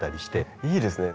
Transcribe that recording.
いいですね。